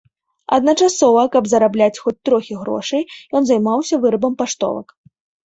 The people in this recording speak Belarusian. Адначасова, каб зарабляць хоць трохі грошай, ён займаўся вырабам паштовак.